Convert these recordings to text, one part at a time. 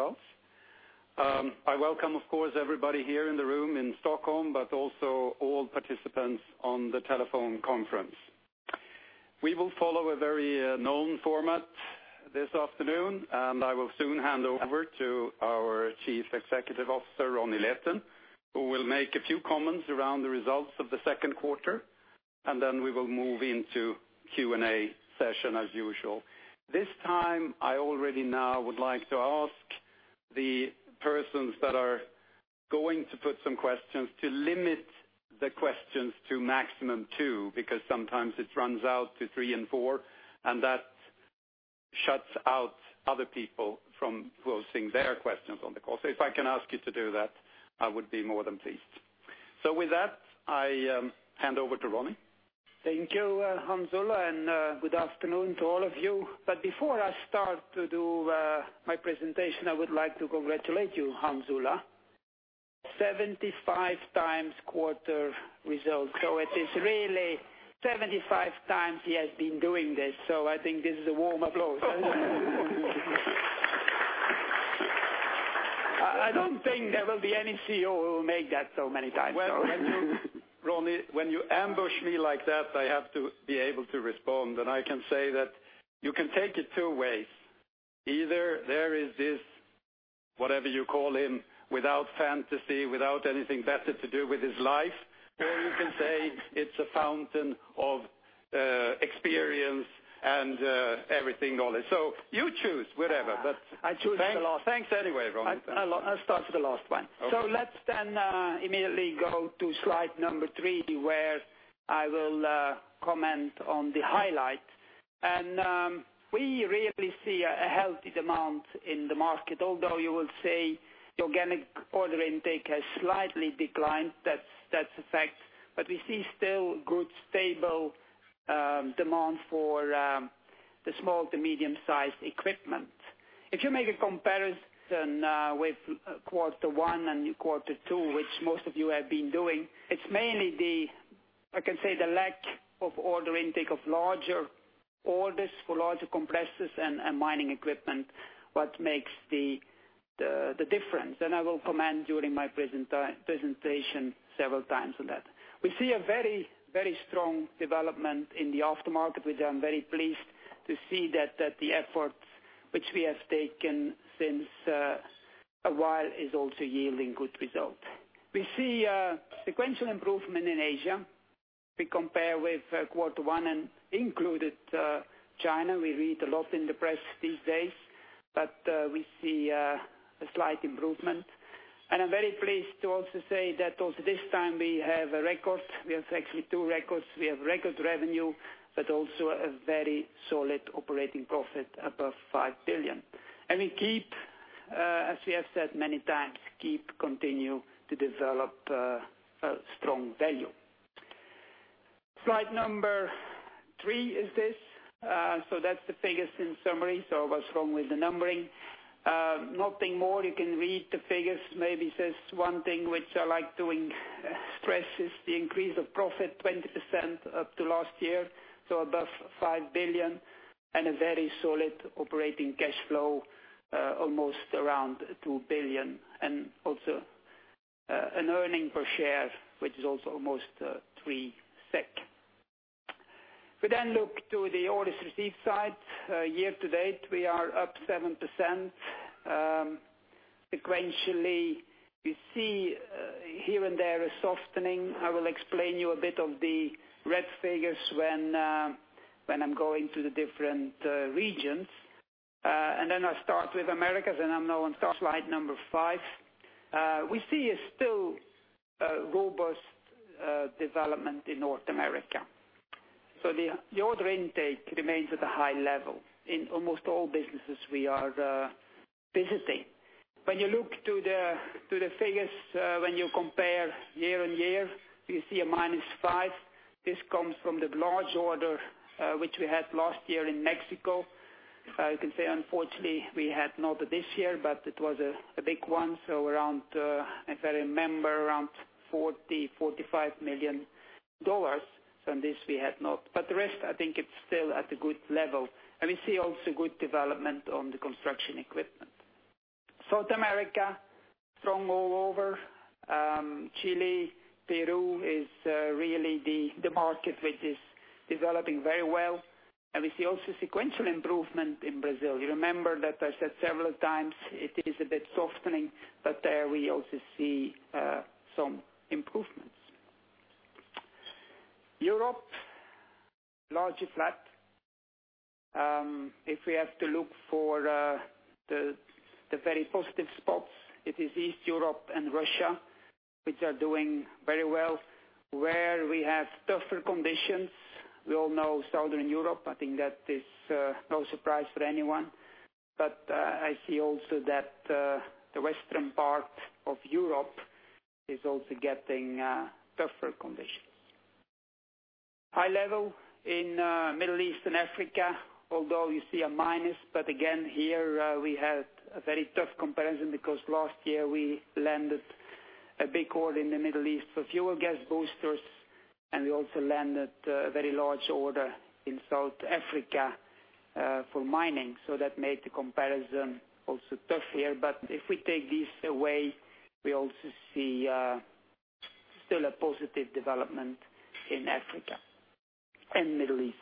Results. I welcome, of course, everybody here in the room in Stockholm, but also all participants on the telephone conference. We will follow a very known format this afternoon, and I will soon hand over to our Chief Executive Officer, Ronnie Leten, who will make a few comments around the results of the second quarter, and then we will move into Q&A session as usual. This time, I already now would like to ask the persons that are going to put some questions to limit the questions to maximum two, because sometimes it runs out to three and four, and that shuts out other people from posing their questions on the call. If I can ask you to do that, I would be more than pleased. With that, I hand over to Ronnie. Thank you, Hans Ola, and good afternoon to all of you. Before I start to do my presentation, I would like to congratulate you, Hans Ola. 75 times quarter results. It is really 75 times he has been doing this, so I think this is a warm applause. I don't think there will be any CEO who will make that so many times. Well, Ronnie, when you ambush me like that, I have to be able to respond. I can say that you can take it two ways. Either there is this, whatever you call him, without fantasy, without anything better to do with his life, or you can say it's a fountain of experience and everything, all this. You choose, whatever. I choose the last. Thanks anyway, Ronnie. I'll start with the last one. Okay. Let's then immediately go to slide number three, where I will comment on the highlight. We really see a healthy demand in the market, although you will say the organic order intake has slightly declined. That's a fact. We see still good, stable demand for the small to medium-sized equipment. If you make a comparison with quarter one and quarter two, which most of you have been doing, it's mainly the, I can say, the lack of order intake of larger orders for larger compressors and mining equipment, what makes the difference. I will comment during my presentation several times on that. We see a very strong development in the aftermarket, which I'm very pleased to see that the efforts which we have taken since a while is also yielding good results. We see a sequential improvement in Asia. We compare with quarter one and included China. We read a lot in the press these days, we see a slight improvement. I'm very pleased to also say that also this time we have a record. We have actually two records. We have record revenue, but also a very solid operating profit above 5 billion. We keep, as we have said many times, keep continue to develop a strong value. Slide number three is this. That's the figures in summary. What's wrong with the numbering? Nothing more. You can read the figures. Maybe there's one thing which I like to stress, is the increase of profit, 20% up to last year, so above 5 billion, and a very solid operating cash flow, almost around 2 billion, and also an earning per share, which is also almost three SEK. We look to the orders received side. Year-to-date, we are up 7%. Sequentially, we see here and there a softening. I will explain you a bit of the red figures when I'm going to the different regions. I start with Americas, and I'm now on slide number five. We see a still robust development in North America. The order intake remains at a high level in almost all businesses we are visiting. When you look to the figures, when you compare year-on-year, you see a minus five. This comes from the large order which we had last year in Mexico. You can say, unfortunately, we had not this year, but it was a big one, if I remember, around SEK 40 million-SEK 45 million from this we had not. The rest, I think it's still at a good level. We see also good development on the construction equipment. South America, strong all over. Chile, Peru is really the market which is developing very well. We see also sequential improvement in Brazil. You remember that I said several times it is a bit softening, but there we also see some improvements. Europe, largely flat. If we have to look for the very positive spots, it is East Europe and Russia, which are doing very well. Where we have tougher conditions, we all know Southern Europe, I think that is no surprise for anyone. I see also that the western part of Europe is also getting tougher conditions. High level in Middle East and Africa, although you see a minus, but again, here we had a very tough comparison because last year we landed a big order in the Middle East for Fuel Gas Boosters, and we also landed a very large order in South Africa for mining. That made the comparison also tough here. If we take this away, we also see still a positive development in Africa and Middle East.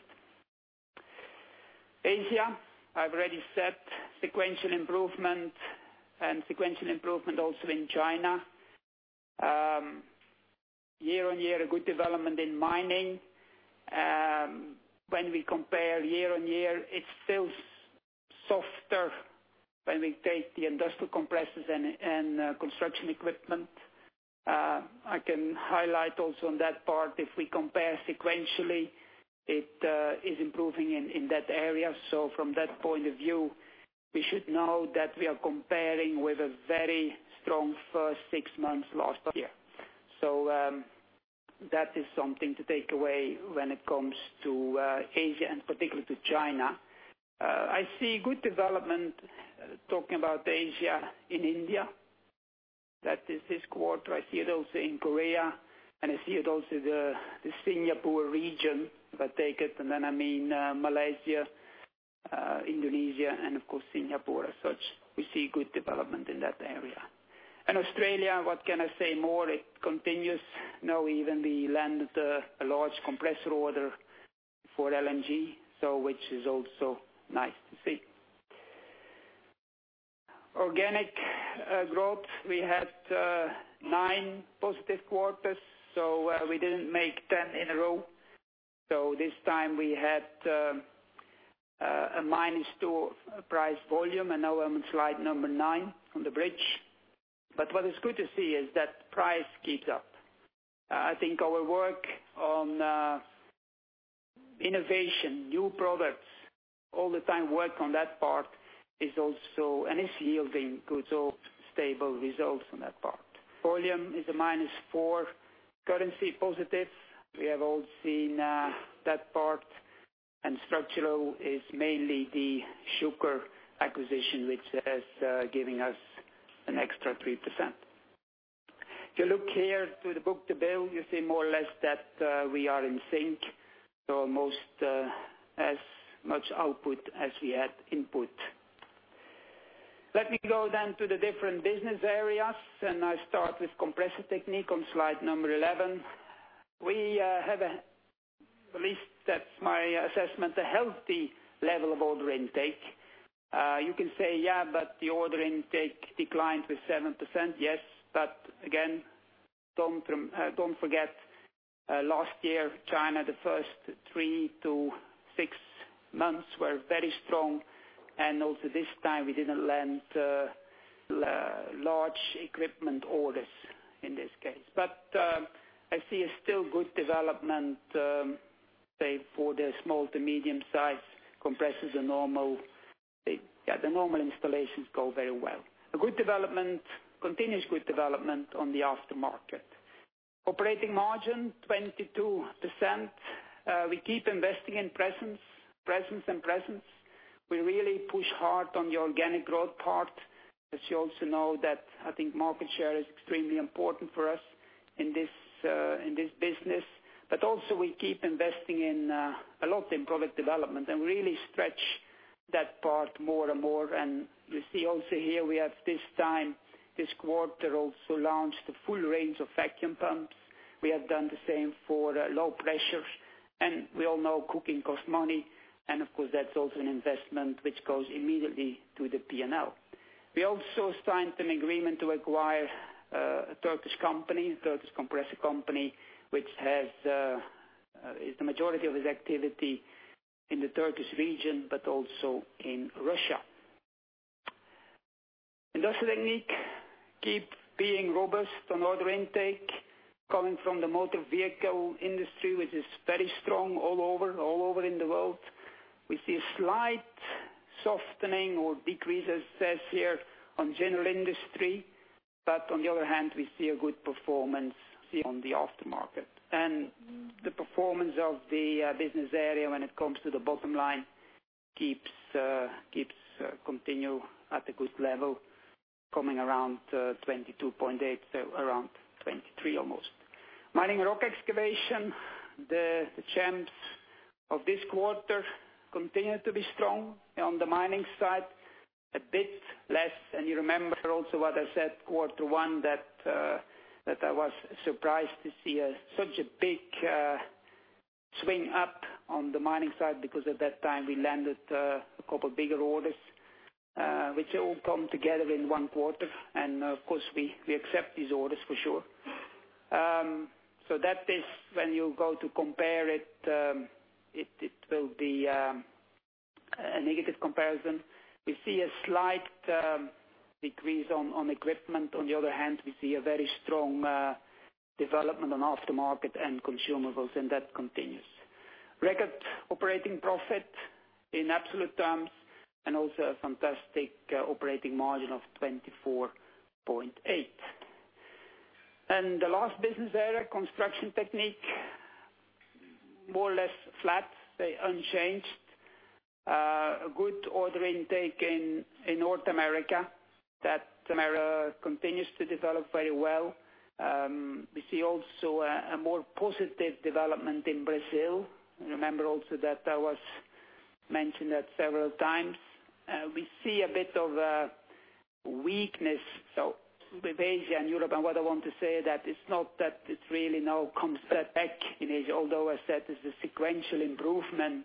Asia, I've already said sequential improvement and sequential improvement also in China. Year-on-year, a good development in mining. When we compare year-on-year, it feels softer when we take the industrial compressors and construction equipment. I can highlight also on that part, if we compare sequentially, it is improving in that area. From that point of view, we should know that we are comparing with a very strong first six months last year. That is something to take away when it comes to Asia and particularly to China. I see good development, talking about Asia, in India. That is this quarter. I see it also in Korea, and I see it also the Singapore region. If I take it, and then I mean Malaysia, Indonesia, and of course Singapore. As such, we see good development in that area. And Australia, what can I say more? It continues. Now even we landed a large compressor order for LNG, which is also nice to see. Organic growth, we had nine positive quarters, we didn't make 10 in a row. This time we had a minus two price volume, and now I'm on slide number nine on the bridge. What is good to see is that price keeps up. I think our work on innovation, new products, all the time work on that part is also yielding good results, stable results on that part. Volume is a minus four. Currency positive. We have all seen that part. Structural is mainly the SCA Schucker acquisition, which has given us an extra 3%. If you look here to the book-to-bill, you see more or less that we are in sync, so almost as much output as we had input. Let me go then to the different business areas, and I start with Compressor Technique on slide number 11. We have at least, that's my assessment, a healthy level of order intake. You can say, yeah, but the order intake declined with 7%. Again, don't forget, last year, China, the first three to six months were very strong, and also this time we didn't land large equipment orders in this case. I see a still good development, say, for the small to medium size compressors. The normal installations go very well. A good development, continuous good development on the aftermarket. Operating margin, 22%. We keep investing in presence and presence. We really push hard on the organic growth part, you also know that I think market share is extremely important for us in this business. We also keep investing a lot in product development and really stretch that part more and more. You see also here we have this time, this quarter, also launched a full range of vacuum pumps. We have done the same for low pressure. We all know cooking costs money, of course, that's also an investment which goes immediately to the P&L. We also signed an agreement to acquire a Turkish company, Turkish compressor company, which is the majority of its activity in the Turkish region, but also in Russia. Industrial Technique keep being robust on order intake coming from the motor vehicle industry, which is very strong all over in the world. We see a slight softening or decrease, it says here, on general industry. On the other hand, we see a good performance on the aftermarket. The performance of the business area when it comes to the bottom line keeps continue at a good level, coming around 22.8, so around 23, almost. Mining and Rock Excavation, the champs of this quarter, continue to be strong on the mining side a bit less. You remember also what I said quarter one, that I was surprised to see such a big swing up on the mining side because at that time we landed a couple bigger orders, which all come together in one quarter. Of course, we accept these orders for sure. That is when you go to compare it will be a negative comparison. We see a slight decrease on equipment. On the other hand, we see a very strong development on aftermarket and consumables, and that continues. Record operating profit in absolute terms and also a fantastic operating margin of 24.8. The last business area, Construction Technique More or less flat, unchanged. A good order intake in North America. That America continues to develop very well. We see also a more positive development in Brazil. Remember also that that was mentioned several times. We see a bit of a weakness with Asia and Europe. What I want to say, that it's not that it's really now comes back in Asia, although I said there's a sequential improvement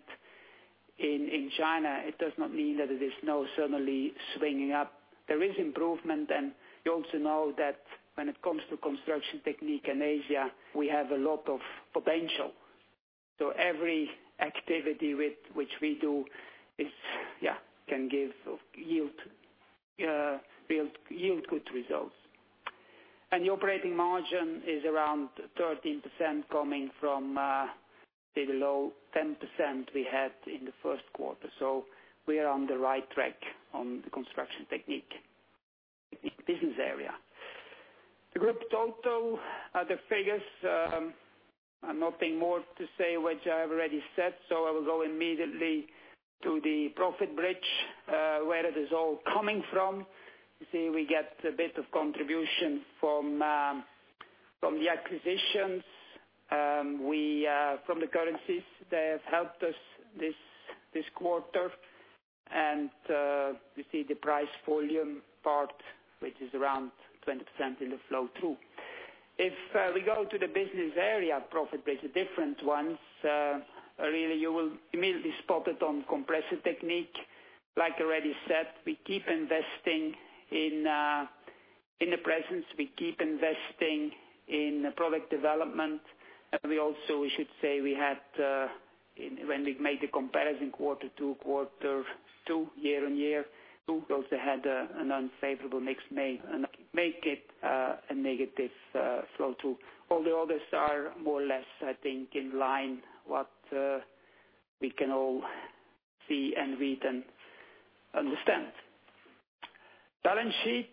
in China, it does not mean that it is now suddenly swinging up. There is improvement, and you also know that when it comes to Construction Technique in Asia, we have a lot of potential. Every activity which we do can yield good results. The operating margin is around 13% coming from the low 10% we had in the first quarter. We are on the right track on the Construction Technique business area. The Group total, the figures, nothing more to say which I've already said. I will go immediately to the profit bridge, where it is all coming from. You see we get a bit of contribution from the acquisitions. From the currencies, they have helped us this quarter. You see the price volume part, which is around 20% in the flow through. If we go to the business area, profit bridge, the different ones, really you will immediately spot it on Compressor Technique. Like I already said, we keep investing in the presence, we keep investing in product development. We also should say, when we've made the comparison quarter-to-quarter, year-on-year, also had an unfavorable mix make it a negative flow-through. All the others are more or less, I think, in line, what we can all see and read and understand. Balance sheet,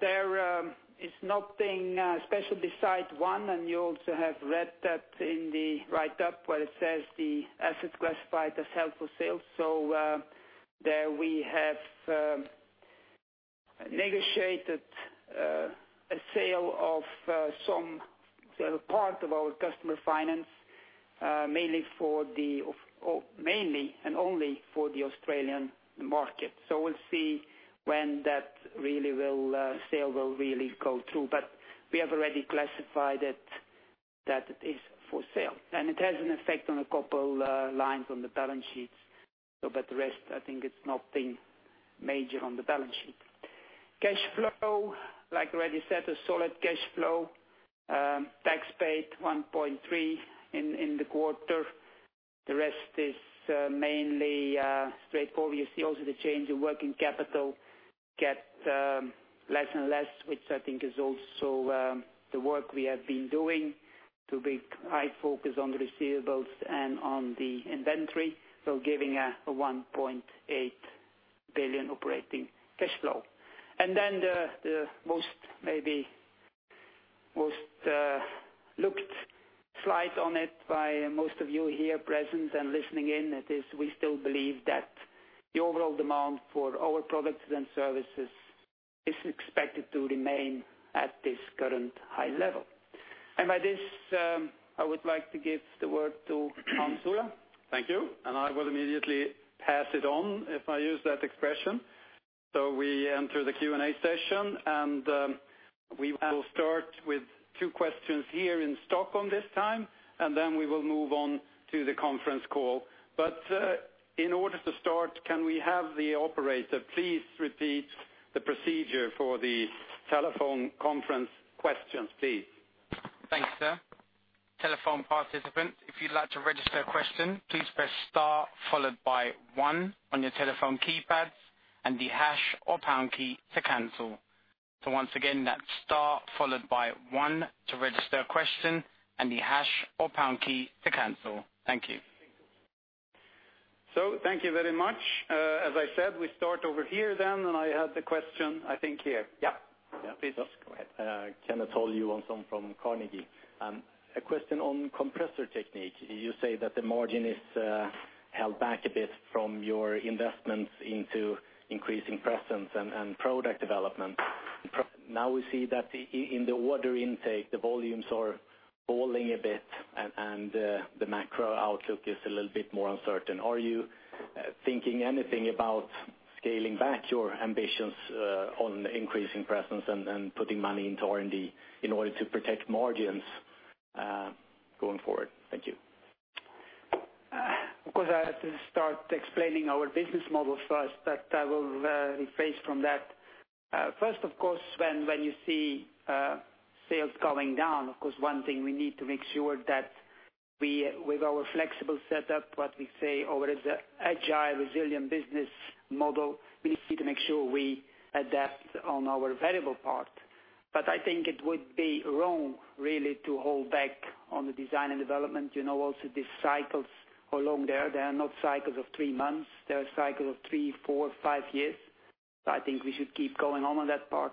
there is nothing special beside one, and you also have read that in the write-up where it says the assets classified as held for sale. There we have negotiated a sale of a part of our customer finance, mainly and only for the Australian market. We'll see when that sale will really go through. We have already classified it that it is for sale. It has an effect on a couple lines on the balance sheets. The rest, I think it's nothing major on the balance sheet. Cash flow, like I already said, a solid cash flow. Tax paid 1.3 in the quarter. The rest is mainly straightforward. You see also the change in working capital get less and less, which I think is also the work we have been doing to be price-focused on the receivables and on the inventory. Giving a 1.8 billion operating cash flow. The most looked slide on it by most of you here present and listening in, it is we still believe that the overall demand for our products and services is expected to remain at this current high level. By this, I would like to give the word to Hans Ola. Thank you. I will immediately pass it on, if I use that expression. We enter the Q&A session. We will start with two questions here in Stockholm this time, then we will move on to the conference call. In order to start, can we have the operator please repeat the procedure for the telephone conference questions, please? Thanks, sir. Telephone participants, if you'd like to register a question, please press star followed by one on your telephone keypads and the hash or pound key to cancel. Once again, that's star followed by one to register a question and the hash or pound key to cancel. Thank you. Thank you very much. As I said, we start over here then. I have the question, I think here. Yeah. Please. Yes, go ahead. Kenneth Oljeqvist from Carnegie. A question on Compressor Technique. You say that the margin is held back a bit from your investments into increasing presence and product development. Now we see that in the order intake, the volumes are falling a bit and the macro outlook is a little bit more uncertain. Are you thinking anything about scaling back your ambitions on increasing presence and putting money into R&D in order to protect margins going forward? Thank you. Of course, I have to start explaining our business model first, but I will rephrase from that. First, of course, when you see sales going down, of course, one thing we need to make sure that with our flexible setup, what we say our agile, resilient business model, we need to make sure we adapt on our variable part. I think it would be wrong, really, to hold back on the design and development. Also these cycles are long there. They are not cycles of three months. They are cycles of three, four, five years. I should keep going on that part.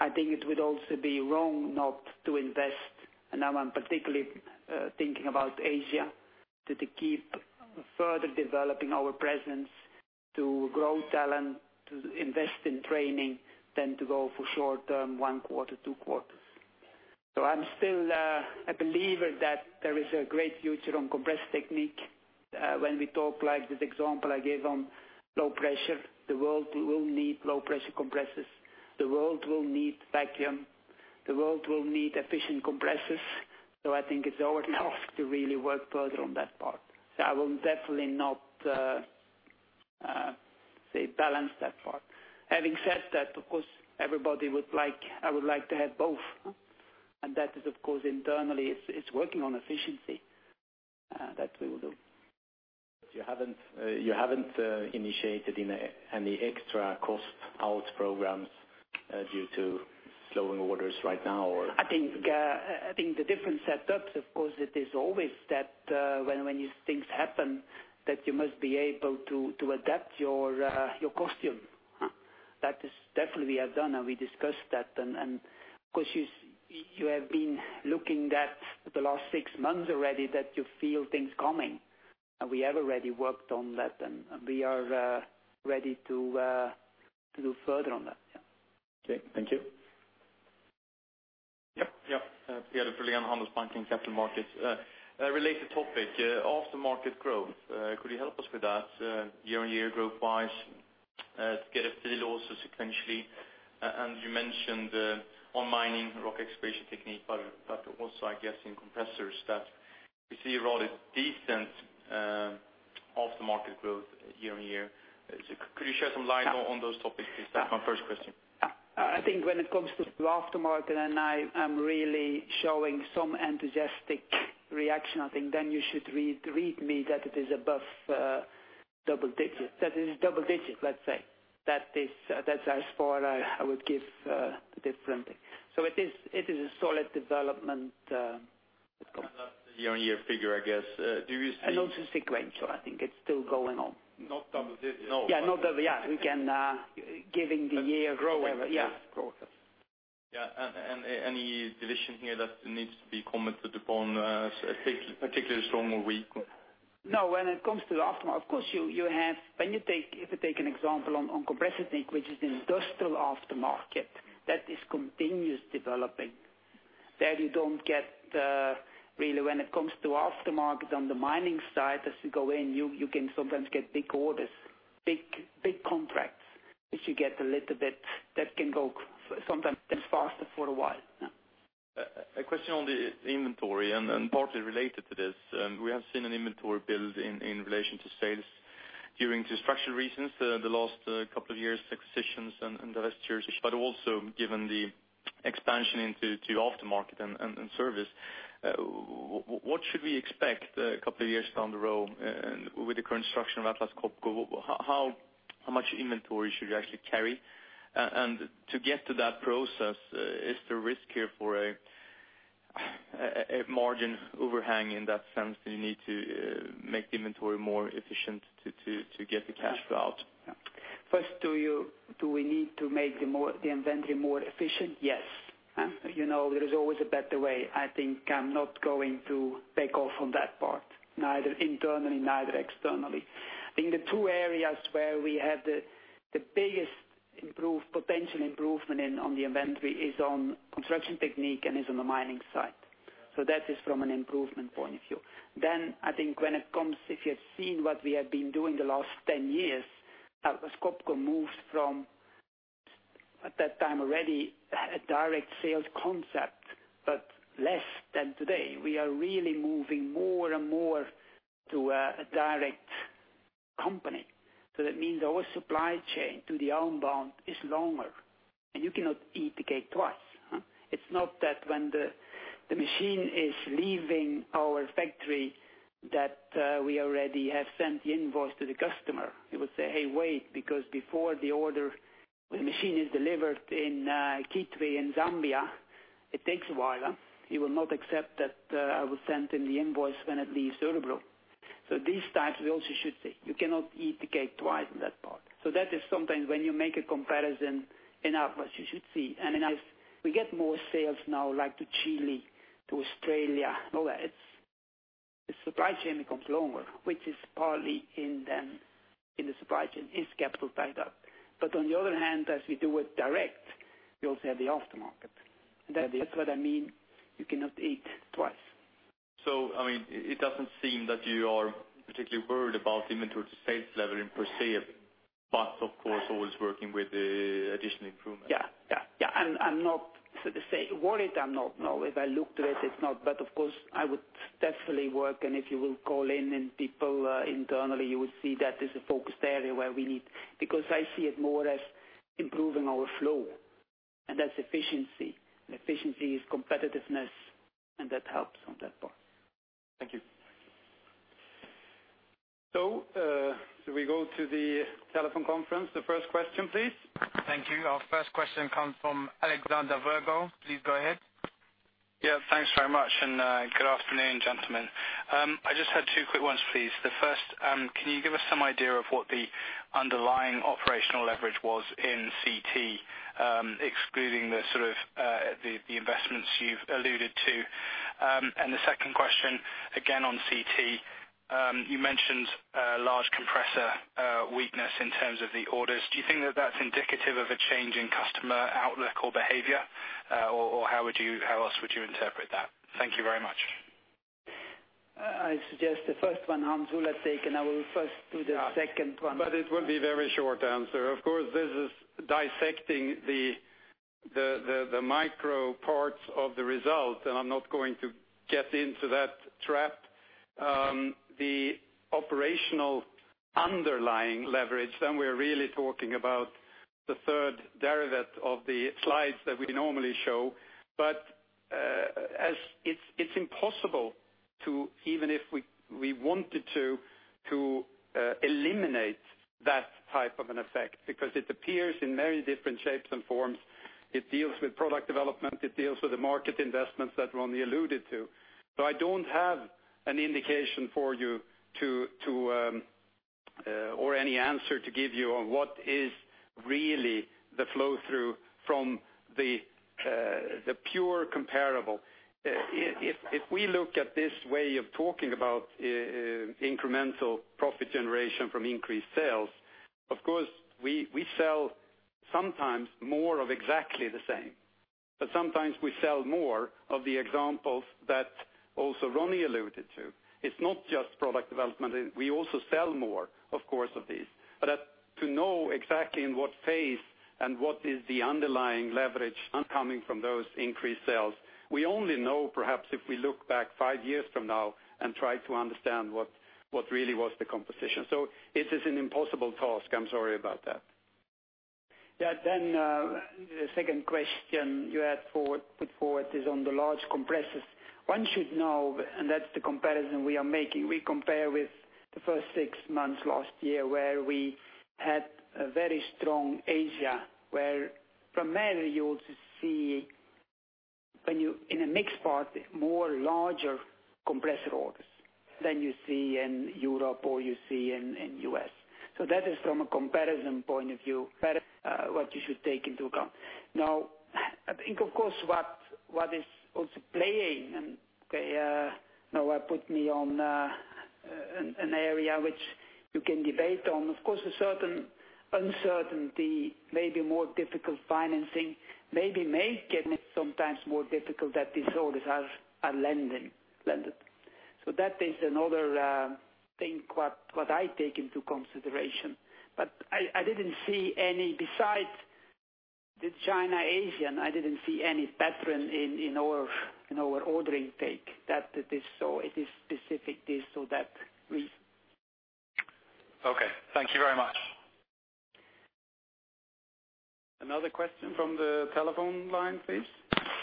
I think it would also be wrong not to invest. Now I'm particularly thinking about Asia, to keep further developing our presence, to grow talent, to invest in training than to go for short-term one quarter, two quarters. I'm still a believer that there is a great future on Compressor Technique. When we talk like this example I gave on low pressure, the world will need low pressure compressors. The world will need vacuum. The world will need efficient compressors. I think it's our task to really work further on that part. I will definitely not say balance that part. Having said that, of course, everybody would like, I would like to have both. That is, of course, internally, it's working on efficiency, that we will do. You haven't initiated any extra cost out programs due to slowing orders right now, or? I think the different setups, of course, it is always that, when these things happen, that you must be able to adapt your costume. That is definitely we have done, and we discussed that. Of course, you have been looking at the last six months already that you feel things coming. We have already worked on that, and we are ready to do further on that, yeah. Okay. Thank you. Yep. Pierre from Handelsbanken Capital Markets. A related topic, aftermarket growth, could you help us with that year-on-year growth-wise, to get a feel also sequentially. You mentioned on Mining and Rock Excavation Technique, but also I guess in compressors that we see a rather decent aftermarket growth year-on-year. Could you shed some light on those topics? That's my first question. I think when it comes to aftermarket, I'm really showing some enthusiastic reaction. I think you should read me that it is above double digits. That is double digits, let's say. That's as far I would give differently. It is a solid development. Year-on-year figure, I guess. Do you see? Also sequential. I think it's still going on. Not double digits. No. Yeah, not double, yeah. We can, giving the year growth. Yeah. Growth. Yeah. Any division here that needs to be commented upon, particularly strong or weak? No, when it comes to the aftermarket, of course, if you take an example on Compressor Technique, which is an industrial aftermarket, that is continuous developing. There you don't get the really when it comes to aftermarket on the mining side, as you go in, you can sometimes get big orders, big contracts, which you get a little bit, that can go sometimes faster for a while. A question on the inventory, and partly related to this. We have seen an inventory build in relation to sales due to structural reasons the last couple of years, acquisitions and divestitures, but also given the expansion into aftermarket and service. What should we expect a couple of years down the road with the current structure of Atlas Copco? How much inventory should you actually carry? To get to that process, is there risk here for a margin overhang in that sense that you need to make the inventory more efficient to get the cash flow out? First, do we need to make the inventory more efficient? Yes. There is always a better way. I think I'm not going to take off on that part, neither internally, neither externally. I think the two areas where we have the biggest potential improvement in on the inventory is on Construction Technique and is on the mining side. That is from an improvement point of view. I think when it comes, if you have seen what we have been doing the last 10 years, Atlas Copco moved from, at that time already, a direct sales concept, but less than today. We are really moving more and more to a direct company. That means our supply chain to the outbound is longer, and you cannot eat the cake twice. It's not that when the machine is leaving our factory that we already have sent the invoice to the customer, who will say, "Hey, wait," because before the order, when the machine is delivered in Kitwe in Zambia, it takes a while. He will not accept that I will send him the invoice when it leaves Örebro. These types we also should say, you cannot eat the cake twice in that part. That is sometimes when you make a comparison in Atlas, you should see. As we get more sales now, like to Chile, to Australia, and all that, the supply chain becomes longer, which is partly in the supply chain is capital tied up. On the other hand, as we do it direct, we also have the aftermarket. That's what I mean, you cannot eat twice. It doesn't seem that you are particularly worried about inventory to sales level per se, but of course, always working with additional improvements. Yeah. I'm not worried. I'm not, no. If I looked at it's not. Of course, I would definitely work, and if you will call in and people internally, you would see that is a focused area where we need. I see it more as improving our flow, and that's efficiency. Efficiency is competitiveness, and that helps on that part. Thank you. should we go to the telephone conference? The first question, please. Thank you. Our first question comes from Alexander Virgo. Please go ahead. Thanks very much, good afternoon, gentlemen. I just had two quick ones, please. The first, can you give us some idea of what the underlying operational leverage was in CT, excluding the investments you've alluded to? The second question, again on CT. You mentioned large compressor weakness in terms of the orders. Do you think that that's indicative of a change in customer outlook or behavior? How else would you interpret that? Thank you very much. I suggest the first one, Hans Ola take, and I will first do the second one. It would be very short answer. Of course, this is dissecting the micro parts of the result, and I'm not going to get into that trap. The operational underlying leverage, we're really talking about the third derivative of the slides that we normally show. It's impossible to, even if we wanted to, eliminate that type of an effect because it appears in very different shapes and forms. It deals with product development. It deals with the market investments that Ronnie alluded to. I don't have an indication for you or any answer to give you on what is really the flow-through from the pure comparable. If we look at this way of talking about incremental profit generation from increased sales, of course, we sell sometimes more of exactly the same, but sometimes we sell more of the examples that also Ronnie alluded to. It's not just product development. We also sell more, of course, of these. To know exactly in what phase and what is the underlying leverage coming from those increased sales, we only know perhaps if we look back 5 years from now and try to understand what really was the composition. It is an impossible task. I'm sorry about that. The second question you put forward is on the large compressors. One should know, and that's the comparison we are making. We compare with the first 6 months last year, where we had a very strong Asia, where primarily you also see in a mixed part, more larger compressor orders than you see in Europe or you see in U.S. That is from a comparison point of view, what you should take into account. I think, of course, what is also playing, and okay, now I put me on an area which you can debate on, of course, a certain uncertainty, maybe more difficult financing, maybe make it sometimes more difficult that these orders are landed. That is another thing what I take into consideration. I didn't see any besides the China-Asia, and I didn't see any pattern in our order intake that it is specific this or that reason. Okay. Thank you very much. Another question from the telephone line, please.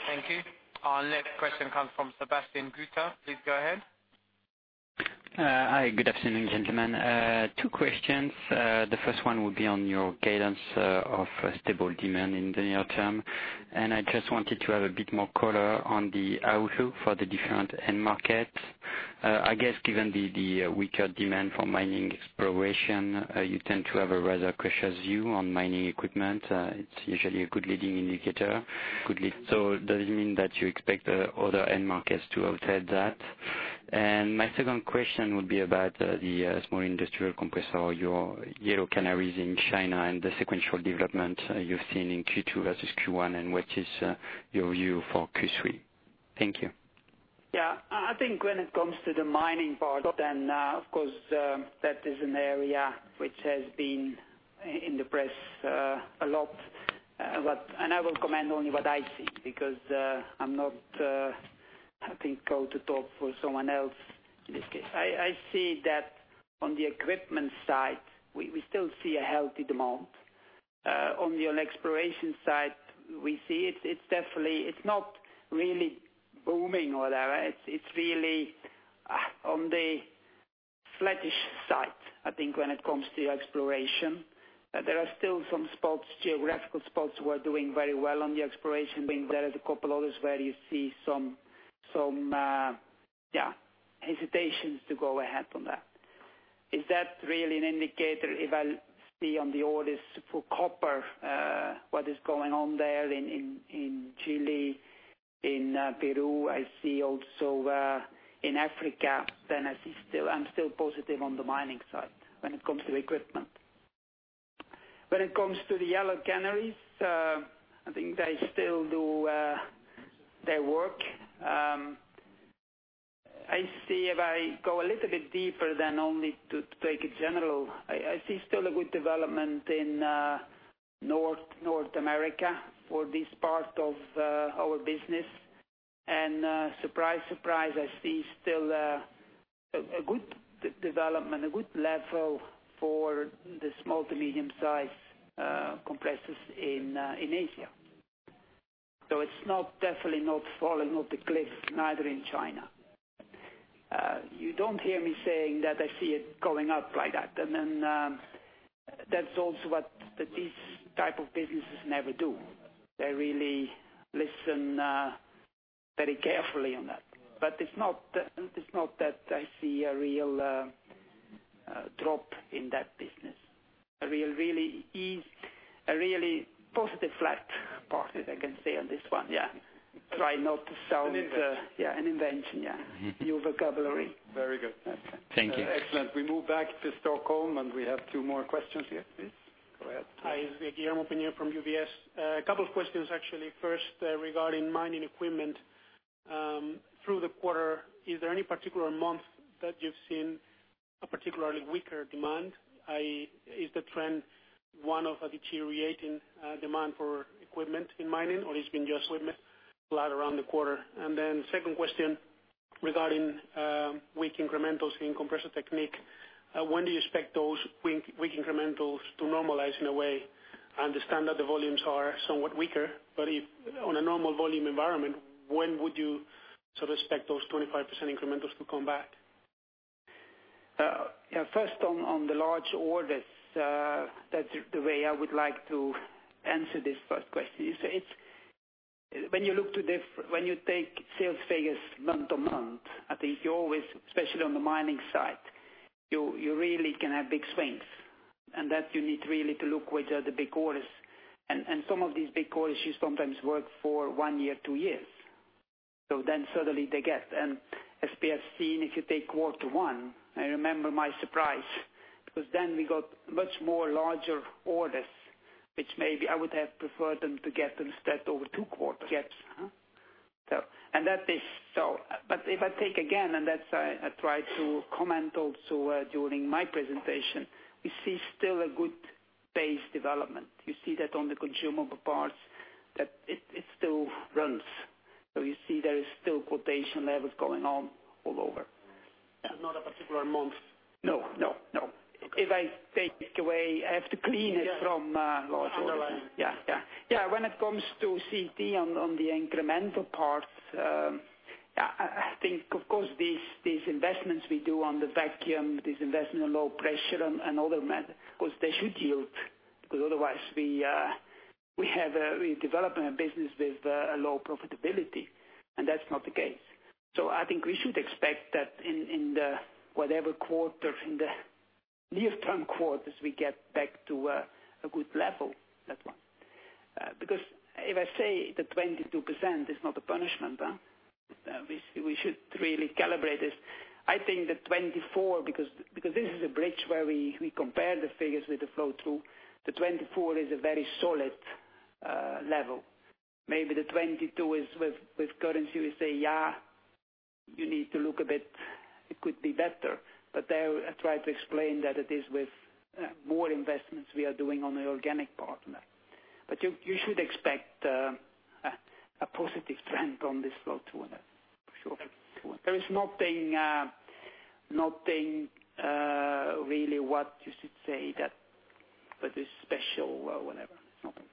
Thank you. Our next question comes from Sebastian Kuenne. Please go ahead. Hi. Good afternoon, gentlemen. Two questions. The first one will be on your guidance of stable demand in the near term, I just wanted to have a bit more color on the outlook for the different end markets. I guess given the weaker demand for mining exploration, you tend to have a rather cautious view on mining equipment. It is usually a good leading indicator. Does it mean that you expect other end markets to offset that? My second question would be about the small industrial compressor, your yellow canaries in China and the sequential development you have seen in Q2 versus Q1, and what is your view for Q3? Thank you. Yeah. I think when it comes to the mining part, of course, that is an area which has been in the press a lot. I will comment only what I see because I'm not, I think, called to talk for someone else in this case. I see that on the equipment side, we still see a healthy demand. On the exploration side, we see it's not really booming or whatever. It's really on the flattish side, I think when it comes to exploration. There are still some geographical spots who are doing very well on the exploration. There is a couple others where you see some hesitations to go ahead on that. Is that really an indicator? If I see on the orders for copper, what is going on there in Chile, in Peru, I see also in Africa, I'm still positive on the mining side when it comes to equipment. When it comes to the yellow canaries, I think they still do their work. I see if I go a little bit deeper than only to take a general, I see still a good development in North America for this part of our business. Surprise, I see still a good development, a good level for the small to medium-sized compressors in Asia. It's definitely not falling off the cliff, neither in China. You don't hear me saying that I see it going up like that. That's also what these type of businesses never do. They really listen very carefully on that. It's not that I see a real drop in that business. A really positive flat part, I can say on this one, yeah. An invention. Yeah, an invention. Yeah. New vocabulary. Very good. That's it. Thank you. Excellent. We move back to Stockholm. We have two more questions here. Please, go ahead. Hi, it's Guillermo Peña from UBS. A couple of questions, actually. First, regarding mining equipment. Through the quarter, is there any particular month that you've seen a particularly weaker demand? Is the trend one of a deteriorating demand for equipment in mining, or it's been just equipment flat around the quarter? Second question, regarding weak incrementals in Compressor Technique. When do you expect those weak incrementals to normalize in a way? I understand that the volumes are somewhat weaker, but if on a normal volume environment, when would you sort of expect those 25% incrementals to come back? Yeah. First, on the large orders, that's the way I would like to answer this first question. You say it's when you take sales figures month to month, I think you always, especially on the mining side, you really can have big swings. That you need really to look which are the big orders. Some of these big orders you sometimes work for one year, two years. Suddenly they get, and as we have seen, if you take quarter one, I remember my surprise, because then we got much more larger orders, which maybe I would have preferred them to get instead over two quarters. But if I take again, and that's I try to comment also during my presentation, we see still a good base development. You see that on the consumable parts, that it still runs. You see there is still quotation levels going on all over. Not a particular month? No. If I take away, I have to clean it. Yes. When it comes to CT on the incremental parts, I think, of course, these investments we do on the vacuum, this investment in low pressure and other, because they should yield, because otherwise we developing a business with a low profitability, and that's not the case. I think we should expect that in the whatever quarter, in the near term quarters, we get back to a good level. That one. Because if I say the 22% is not a punishment, we should really calibrate this. I think the 24, because this is a bridge where we compare the figures with the flow through, the 24 is a very solid level. Maybe the 22 is with currency, we say, you need to look a bit, it could be better. There I try to explain that it is with more investments we are doing on the organic part. You should expect a positive trend on this flow through. For sure. There is nothing really what you should say that is special or whatever. Nothing.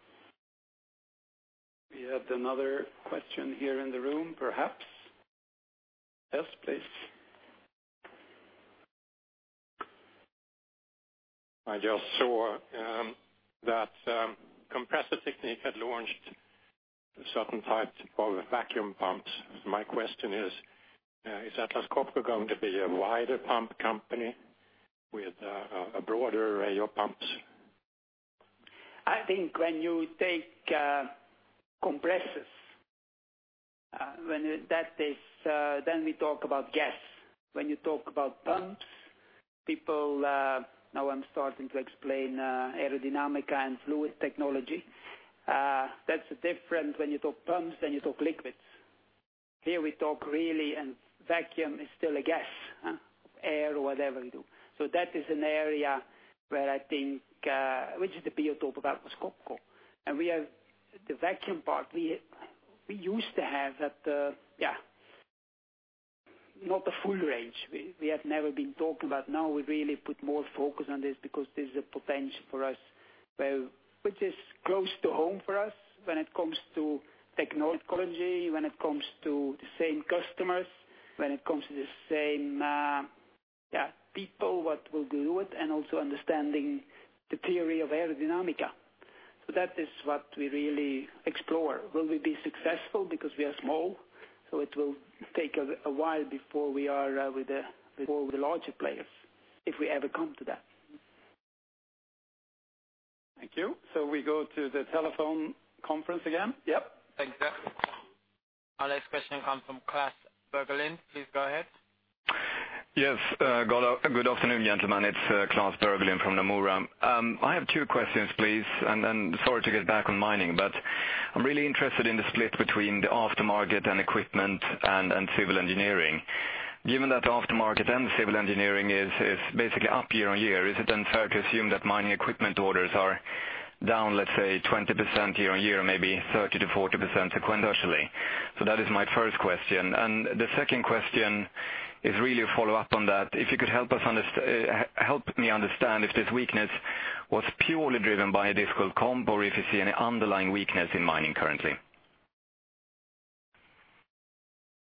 We had another question here in the room, perhaps. Yes, please. I just saw that Compressor Technique had launched certain types of vacuum pumps. My question is Atlas Copco going to be a wider pump company with a broader array of pumps? I think when you take compressors, we talk about gas. When you talk about pumps, people, now I'm starting to explain aerodynamics and fluid technology. That's different when you talk pumps, you talk liquids. Here we talk really, vacuum is still a gas, air or whatever you do. That is an area where I think, which is the BO talk about Copco. We have the vacuum part. We used to have that, not the full range, we have never been talking about. Now we really put more focus on this because there's a potential for us, which is close to home for us when it comes to technology, when it comes to the same customers, when it comes to the same people what will do it, and also understanding the theory of aerodynamics. That is what we really explore. Will we be successful? We are small, it will take a while before we are with the larger players, if we ever come to that. Thank you. We go to the telephone conference again. Yep. Thank you. Our next question comes from Klas Bergelind. Please go ahead. Yes. Good afternoon, gentlemen. It's Klas Bergelind from Nomura. I have two questions, please. Sorry to get back on mining, I'm really interested in the split between the aftermarket and equipment and civil engineering. Given that the aftermarket and the civil engineering is basically up year-over-year, is it unfair to assume that mining equipment orders are down, let's say, 20% year-over-year or maybe 30%-40% sequentially? That is my first question. The second question is really a follow-up on that. If you could help me understand if this weakness was purely driven by a difficult comp, or if you see any underlying weakness in mining currently?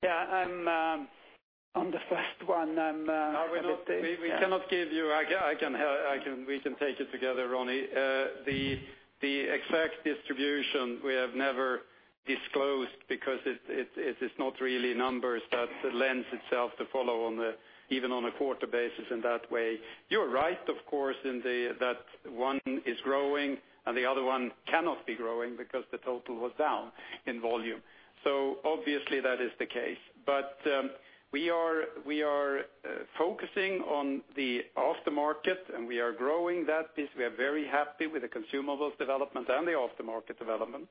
Yeah, on the first one. We can take it together, Ronnie. The exact distribution, we have never disclosed because it is not really numbers that lends itself to follow even on a quarter basis in that way. You're right, of course, in that one is growing and the other one cannot be growing because the total was down in volume. Obviously that is the case. We are focusing on the aftermarket, and we are growing that business. We are very happy with the consumables development and the aftermarket development.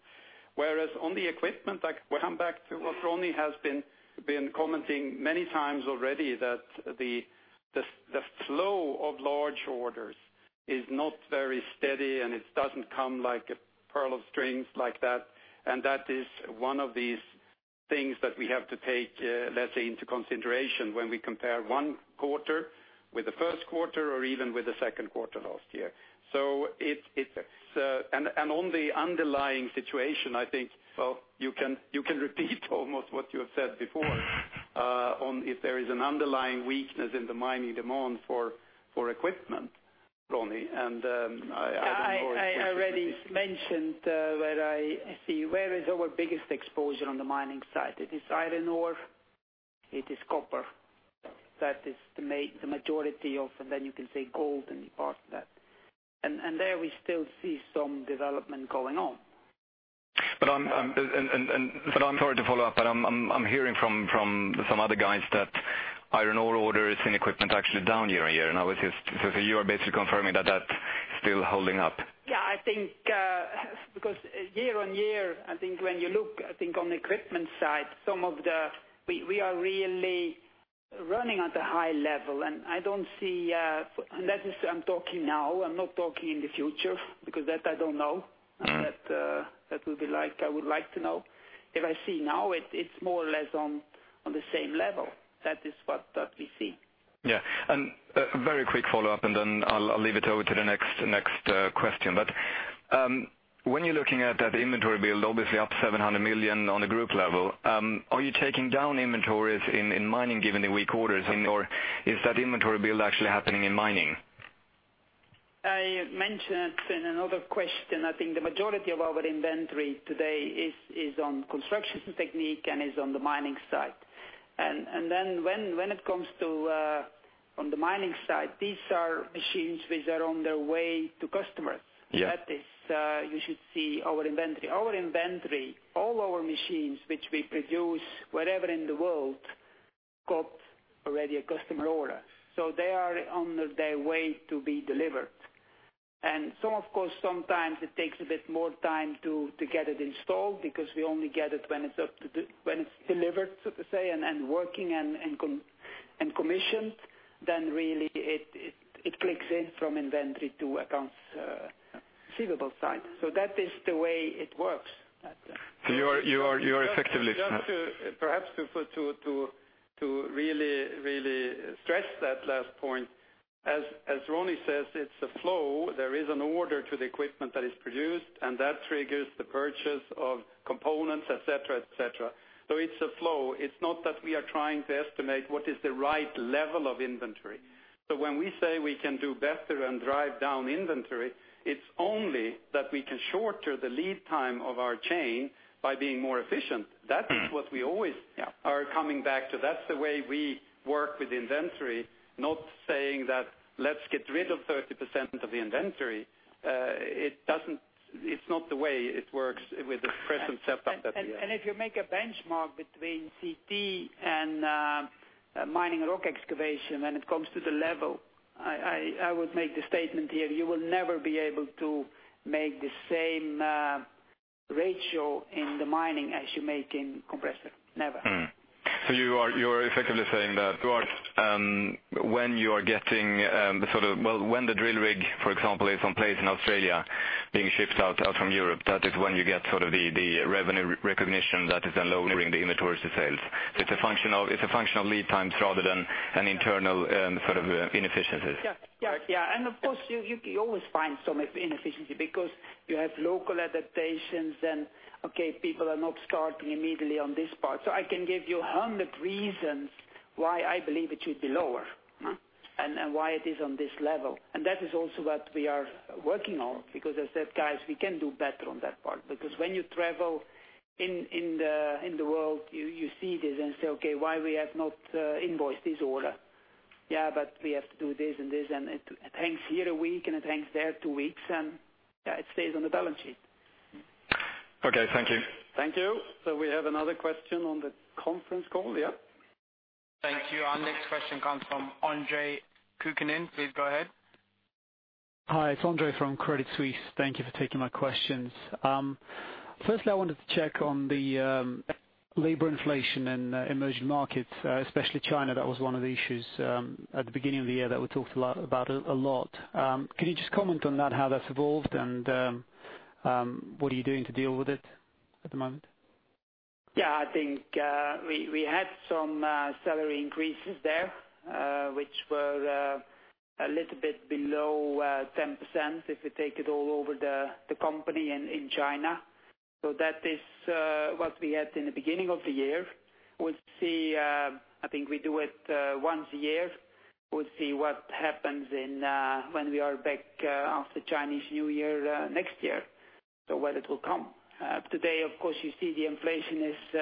On the equipment, I come back to what Ronnie has been commenting many times already, that the flow of large orders is not very steady, and it doesn't come like a pearls on a string like that. That is one of these things that we have to take, let's say, into consideration when we compare one quarter with the first quarter or even with the second quarter last year. On the underlying situation, I think, you can repeat almost what you have said before, on if there is an underlying weakness in the mining demand for equipment, Ronnie. I already mentioned where is our biggest exposure on the mining side? It is iron ore, it is copper. That is the majority of, and then you can say gold and part of that. There we still see some development going on. I'm sorry to follow up, I'm hearing from some other guys that iron ore order is in equipment actually down year-on-year. You are basically confirming that that's still holding up? Yeah, I think because year-over-year, I think when you look, I think on the equipment side, we are really running at a high level. I'm talking now, I'm not talking in the future, because that I don't know. That would be like, I would like to know. If I see now, it's more or less on the same level. That is what we see. Yeah. A very quick follow-up, I'll leave it over to the next question. When you're looking at that inventory build, obviously up 700 million on a group level, are you taking down inventories in mining given the weak orders? Is that inventory build actually happening in mining? I mentioned in another question, I think the majority of our inventory today is on Construction Technique and is on the mining side. When it comes to on the mining side, these are machines which are on their way to customers. Yeah. That is, you should see our inventory. Our inventory, all our machines, which we produce wherever in the world, got already a customer order. They are on their way to be delivered. Of course, sometimes it takes a bit more time to get it installed because we only get it when it's delivered, so to say, and working and commissioned, then really it clicks in from inventory to accounts receivable side. That is the way it works. You are effectively- Just to perhaps to really stress that last point. As Ronnie says, it's a flow. There is an order to the equipment that is produced, and that triggers the purchase of components, et cetera. It's a flow. It's not that we are trying to estimate what is the right level of inventory. When we say we can do better and drive down inventory, it's only that we can shorter the lead time of our chain by being more efficient. That is what we always- Yeah are coming back to. That's the way we work with inventory, not saying that, "Let's get rid of 30% of the inventory." It's not the way it works with the present setup that we have. If you make a benchmark between CT and Mining Rock Excavation, when it comes to the level, I would make the statement here, you will never be able to make the same ratio in the Mining as you make in Compressor. Never. You are effectively saying that when you are getting when the drill rig, for example, is someplace in Australia being shipped out from Europe, that is when you get the revenue recognition that is then lowering the inventory to sales. It's a function of lead times rather than an internal inefficiencies. Of course, you always find some inefficiency because you have local adaptations and, okay, people are not starting immediately on this part. I can give you 100 reasons why I believe it should be lower. Why it is on this level. That is also what we are working on, because I said, "Guys, we can do better on that part." When you travel in the world, you see this and say, "Okay, why we have not invoiced this order?" But we have to do this and this, and it hangs here a week and it hangs there two weeks, and it stays on the balance sheet. Okay. Thank you. Thank you. We have another question on the conference call. Thank you. Our next question comes from Andre Kukhnin. Please go ahead. Hi, it's Andre from Credit Suisse. Thank you for taking my questions. Firstly, I wanted to check on the labor inflation in emerging markets, especially China. That was one of the issues at the beginning of the year that we talked about a lot. Can you just comment on that, how that's evolved, and what are you doing to deal with it at the moment? I think we had some salary increases there, which were a little bit below 10% if we take it all over the company in China. That is what we had in the beginning of the year. I think we do it once a year. We'll see what happens when we are back after Chinese New Year next year, whether it will come. Today, of course, you see the inflation is,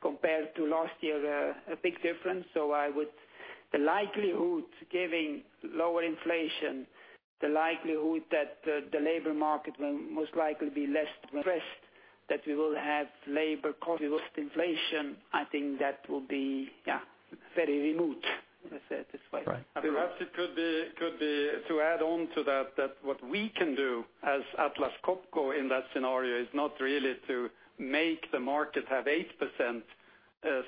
compared to last year, a big difference. The likelihood, given lower inflation, the likelihood that the labor market will most likely be less pressed, that we will have labor cost inflation, I think that will be very remote. Let me say it this way. Right. Perhaps it could be, to add on to that what we can do as Atlas Copco in that scenario is not really to make the market have 8%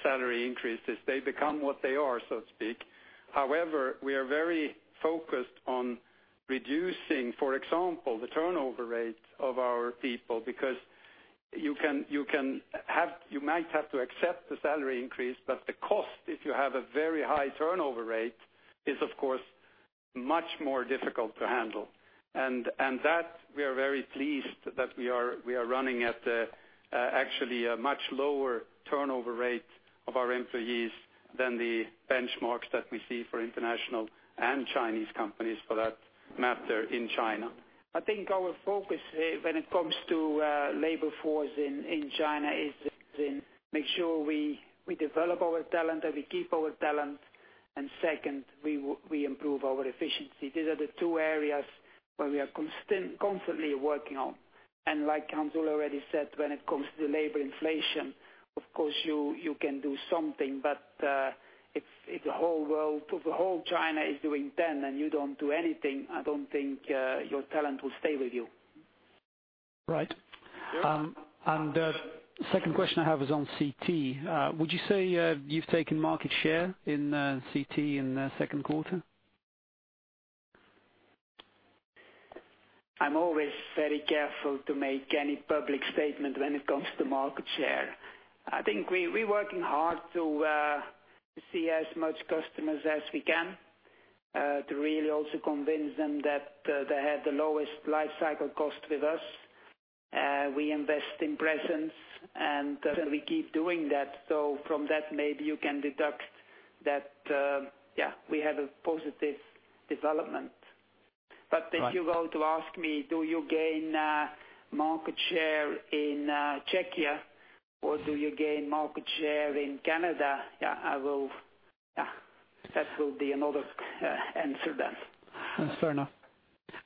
salary increases. They become what they are, so to speak. However, we are very focused on reducing, for example, the turnover rate of our people, because you might have to accept the salary increase, but the cost, if you have a very high turnover rate, is of course much more difficult to handle. That, we are very pleased that we are running at actually a much lower turnover rate of our employees than the benchmarks that we see for international and Chinese companies for that matter in China. I think our focus when it comes to labor force in China is in make sure we develop our talent and we keep our talent, and second, we improve our efficiency. These are the two areas where we are constantly working on. Like Hans Ola already said, when it comes to labor inflation, of course, you can do something, but if the whole China is doing 10% and you don't do anything, I don't think your talent will stay with you. Right. The second question I have is on CT. Would you say you've taken market share in CT in the second quarter? I'm always very careful to make any public statement when it comes to market share. I think we're working hard to see as much customers as we can, to really also convince them that they have the lowest life cycle cost with us. We invest in presence, and we keep doing that. From that, maybe you can deduct that, we have a positive development. If you're going to ask me, do you gain market share in Czechia or do you gain market share in Canada? That will be another answer then. That's fair enough.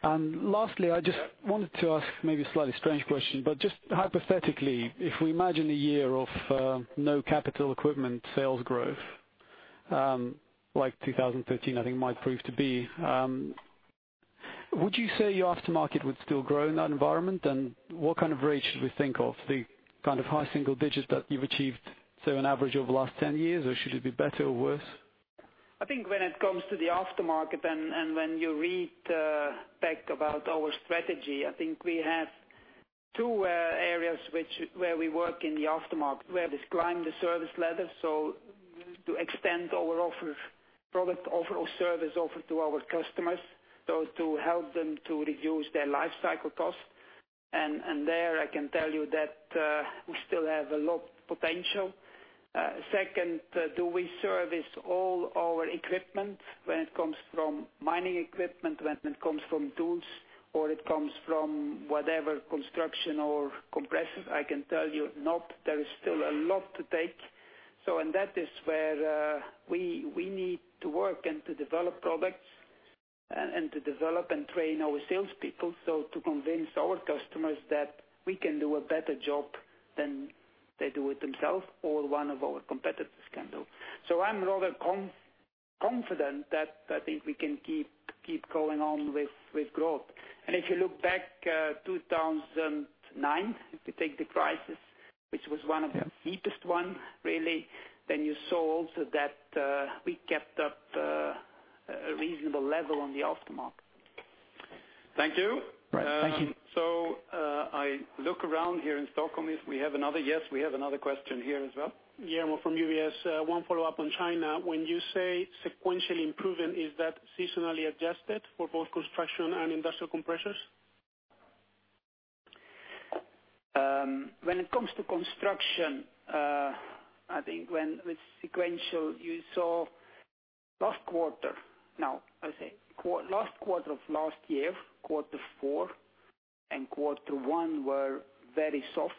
Lastly, I just wanted to ask maybe a slightly strange question, but just hypothetically, if we imagine a year of no capital equipment sales growth, like 2013 I think might prove to be, would you say your aftermarket would still grow in that environment? What kind of rate should we think of? The kind of high single digits that you've achieved, say, on average over the last 10 years, or should it be better or worse? I think when it comes to the aftermarket and when you read back about our strategy, I think we have two areas where we work in the aftermarket. We have this climb the service ladder, so to extend our product offer or service offer to our customers, so to help them to reduce their life cycle cost. There, I can tell you that we still have a lot potential. Second, do we service all our equipment when it comes from mining equipment, when it comes from tools, or it comes from whatever construction or compressors? I can tell you not. There is still a lot to take. That is where we need to work and to develop products and to develop and train our salespeople, so to convince our customers that we can do a better job than they do it themselves or one of our competitors can do. I'm rather confident that I think we can keep going on with growth. If you look back 2009, if you take the crisis, which was one of the deepest one really, then you saw also that we kept up a reasonable level on the aftermarket. Thank you. Right. Thank you. I look around here in Stockholm if we have another. Yes, we have another question here as well. Guillermo from UBS. One follow-up on China. When you say sequentially improving, is that seasonally adjusted for both construction and industrial compressors? When it comes to construction, I think with sequential, you saw last quarter of last year, quarter four and quarter one were very soft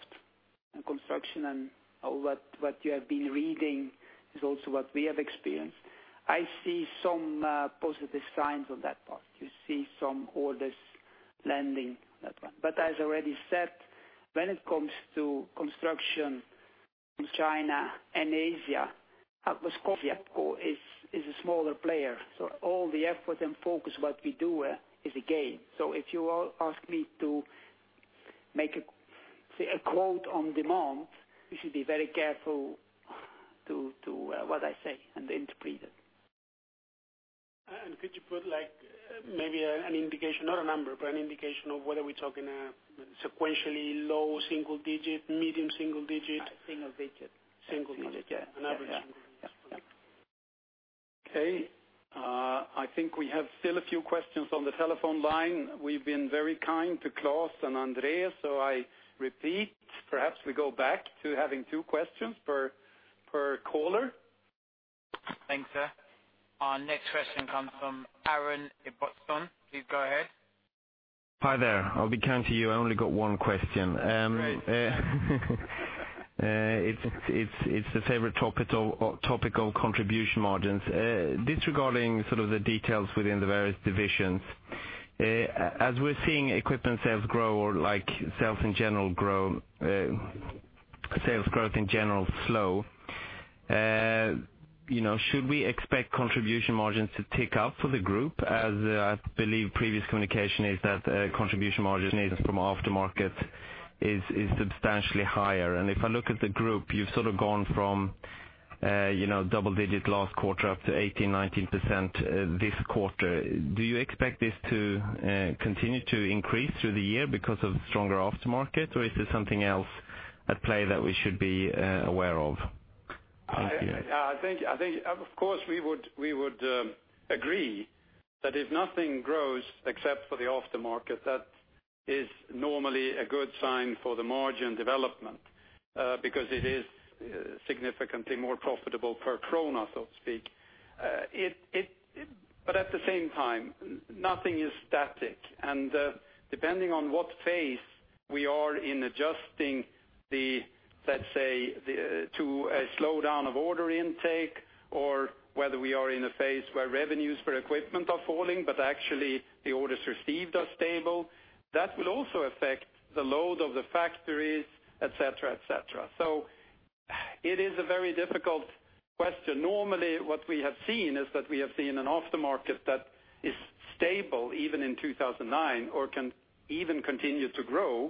in construction. What you have been reading is also what we have experienced. I see some positive signs on that part. You see some orders landing on that one. As I already said, when it comes to construction in China and Asia, Atlas Copco is a smaller player, all the effort and focus what we do is a gain. If you ask me to make a quote on demand, you should be very careful to what I say and interpret it. Could you put Maybe not a number, but an indication of whether we're talking sequentially low single digit, medium single digit. Single digit. Single digit. Yeah. An average single digit. Yeah. Okay. I think we have still a few questions on the telephone line. We've been very kind to Klas and Andreas. I repeat. Perhaps we go back to having two questions per caller. Thanks, sir. Our next question comes from Aaron Hi there. I'll be kind to you. I only got one question. Great. It's the favorite topic of contribution margins. Disregarding the details within the various divisions, as we're seeing equipment sales grow or sales growth in general slow, should we expect contribution margins to tick up for the group? As I believe previous communication is that contribution margins from aftermarket is substantially higher. If I look at the group, you've gone from double digit last quarter up to 18%-19% this quarter. Do you expect this to continue to increase through the year because of stronger aftermarket, or is there something else at play that we should be aware of? Of course, we would agree that if nothing grows except for the aftermarket, that is normally a good sign for the margin development, because it is significantly more profitable per krona, so to speak. At the same time, nothing is static. Depending on what phase we are in adjusting, let's say, to a slowdown of order intake or whether we are in a phase where revenues for equipment are falling, but actually the orders received are stable, that will also affect the load of the factories, et cetera. It is a very difficult question. Normally, what we have seen is that we have seen an aftermarket that is stable even in 2009 or can even continue to grow,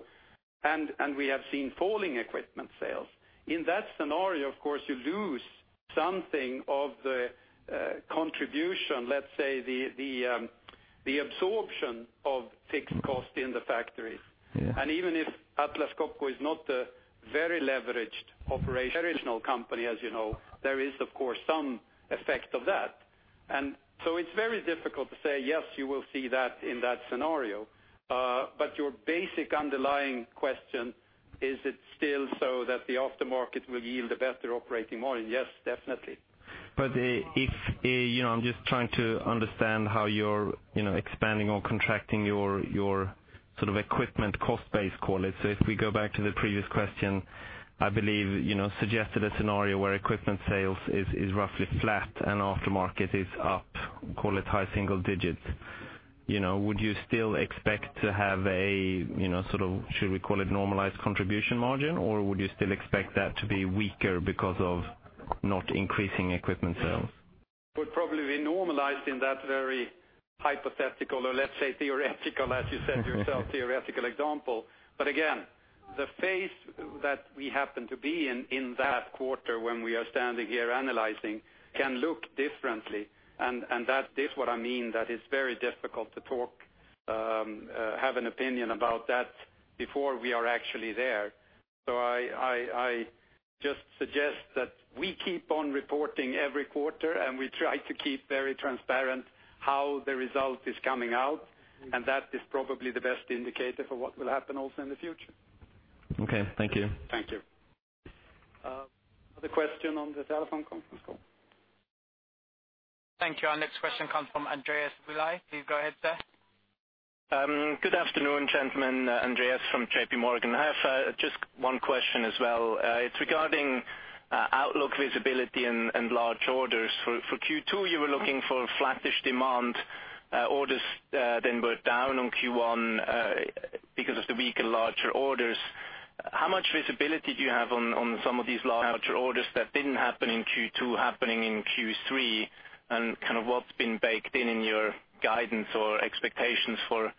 and we have seen falling equipment sales. In that scenario, of course, you lose something of the contribution, let's say, the absorption of fixed cost in the factories. Yeah. Even if Atlas Copco is not a very leveraged operational company, as you know, there is, of course, some effect of that. It's very difficult to say, yes, you will see that in that scenario. Your basic underlying question, is it still so that the aftermarket will yield a better operating margin? Yes, definitely. I'm just trying to understand how you're expanding or contracting your equipment cost base, call it. If we go back to the previous question, I believe, suggested a scenario where equipment sales is roughly flat and aftermarket is up, call it high single digits. Would you still expect to have a, should we call it normalized contribution margin, or would you still expect that to be weaker because of not increasing equipment sales? Would probably be normalized in that very hypothetical or let's say theoretical, as you said yourself, theoretical example. Again, the phase that we happen to be in that quarter when we are standing here analyzing, can look differently, and that is what I mean, that it's very difficult to have an opinion about that before we are actually there. I just suggest that we keep on reporting every quarter, and we try to keep very transparent how the result is coming out, and that is probably the best indicator for what will happen also in the future. Okay. Thank you. Thank you. Other question on the telephone conference call. Thank you. Our next question comes from Andreas. Good afternoon, gentlemen. Andreas from J.P. Morgan. I have just one question as well. It's regarding outlook visibility and large orders. For Q2, you were looking for flattish demand. Orders were down on Q1 because of the weaker larger orders. How much visibility do you have on some of these larger orders that didn't happen in Q2 happening in Q3? What's been baked in in your guidance or expectations for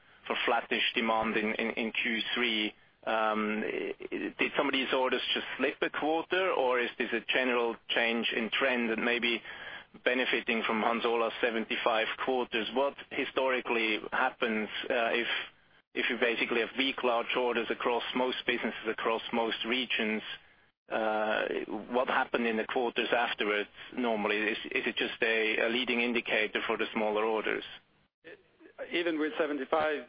flattish demand in Q3? Did some of these orders just slip a quarter, or is this a general change in trend that may be benefiting from Hans Ola's 75 quarters? What historically happens if you basically have weak large orders across most businesses, across most regions? What happened in the quarters afterwards normally? Is it just a leading indicator for the smaller orders? Even with 75 quarters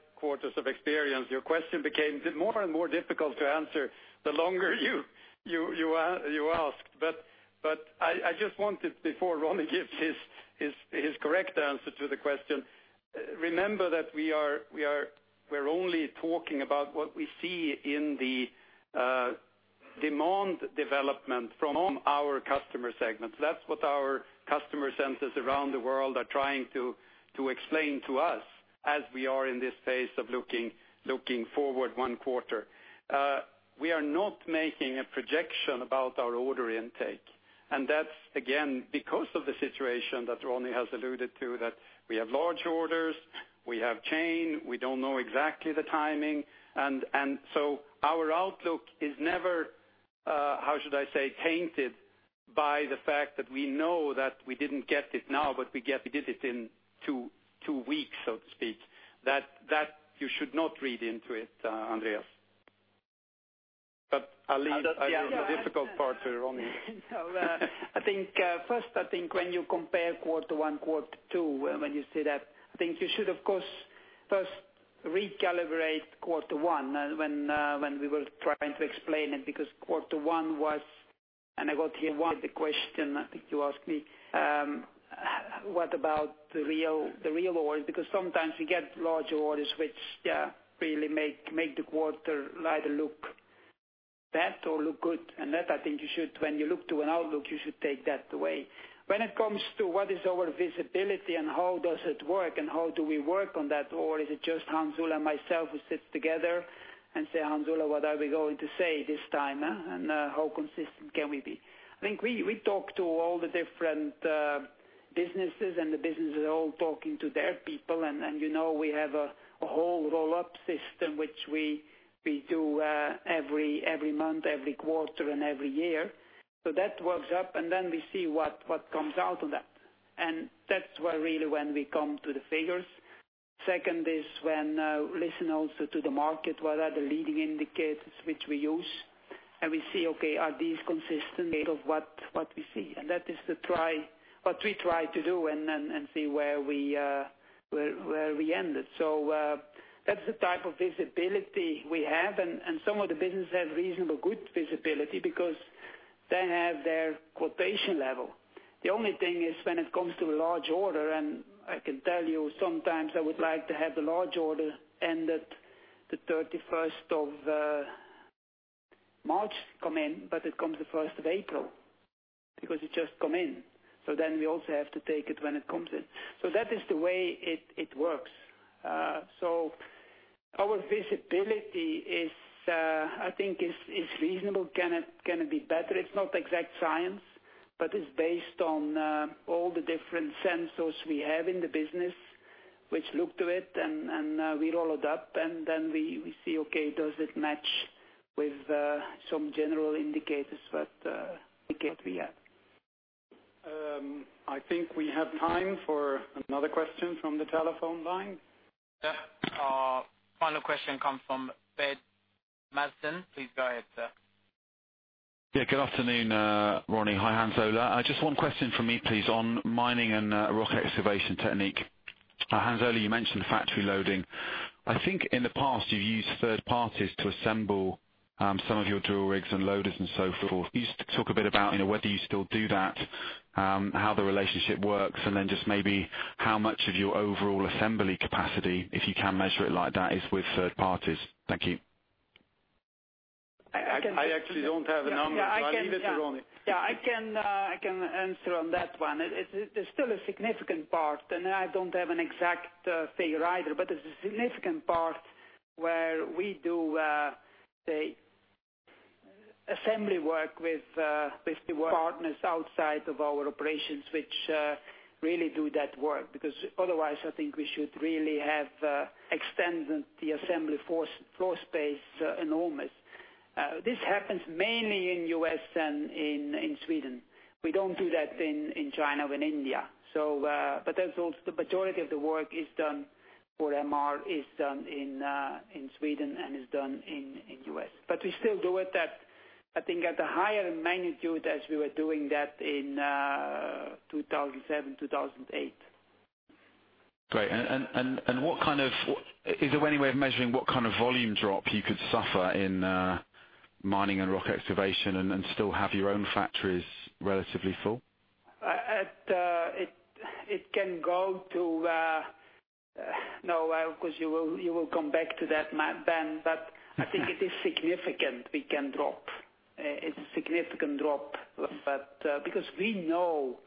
of experience, your question became more and more difficult to answer the longer you asked. I just wanted, before Ronnie gives his correct answer to the question, remember that we're only talking about what we see in the demand development from our customer segments. That's what our customer centers around the world are trying to explain to us as we are in this phase of looking forward one quarter. We are not making a projection about our order intake, that's, again, because of the situation that Ronnie has alluded to, that we have large orders, we have chain, we don't know exactly the timing. Our outlook is never, how should I say, tainted by the fact that we know that we didn't get it now, but we did it in two weeks, so to speak. That you should not read into it, Andreas. I'll leave the difficult part to Ronnie. I think first, when you compare quarter one, quarter two, when you say that, I think you should, of course, first recalibrate quarter one, when we were trying to explain it. Because quarter one was, and I got here the question, I think you asked me, what about the real orders? Because sometimes you get large orders which really make the quarter either look bad or look good. That I think when you look to an outlook, you should take that away. When it comes to what is our visibility and how does it work and how do we work on that, or is it just Hans Ola and myself who sit together and say, "Hans Ola, what are we going to say this time? How consistent can we be?" I think we talk to all the different businesses, and the businesses are all talking to their people. We have a whole roll-up system, which we do every month, every quarter, and every year. That works up, and then we see what comes out of that. That's really when we come to the figures. Second is when, listen also to the market, what are the leading indicators which we use? We see, okay, are these consistent rate of what we see? That is what we try to do and see where we end it. That's the type of visibility we have. Some of the businesses have reasonably good visibility because they have their quotation level. The only thing is when it comes to a large order, and I can tell you sometimes I would like to have the large order end at the 31st of March come in, but it comes the 1st of April. It's just come in. We also have to take it when it comes in. That is the way it works. Our visibility I think is reasonable. Can it be better? It's not exact science, but it's based on all the different sensors we have in the business which look to it, and we roll it up, and then we see, okay, does it match with some general indicators that we get? I think we have time for another question from the telephone line. Our final question comes from Ben Madsen. Please go ahead, sir. Yeah, good afternoon, Ronnie. Hi, Hans Olav. Just one question from me, please, on Mining and Rock Excavation Technique. Hans Olav, you mentioned factory loading. I think in the past, you've used third parties to assemble some of your drill rigs and loaders and so forth. Could you talk a bit about whether you still do that, how the relationship works, and then just maybe how much of your overall assembly capacity, if you can measure it like that, is with third parties? Thank you. I can- I actually don't have the numbers. I leave it to Ronnie. I can answer on that one. There's still a significant part, and I don't have an exact figure either, but there's a significant part where we do the assembly work with partners outside of our operations, which really do that work. Otherwise, I think we should really have extended the assembly floor space enormous. This happens mainly in U.S. and in Sweden. We don't do that in China or in India. The majority of the work for MR is done in Sweden and is done in U.S. We still do it, I think at a higher magnitude as we were doing that in 2007, 2008. Great. Is there any way of measuring what kind of volume drop you could suffer in mining and rock excavation and still have your own factories relatively full? It can go to No, you will come back to that, Ben. I think it is significant we can drop. It's a significant drop. We know